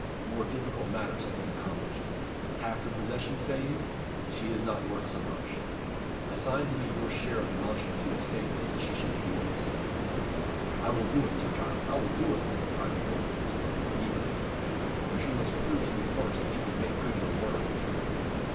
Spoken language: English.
"More difficult matters have been accomplished. Half your possessions, say you? She is not worth so much. Assign to me your share of the Mounchensey estates and she shall be yours." "I will do it, Sir Giles I will do it," cried the old usurer, eagerly; "but you must prove to me first that you can make good your words."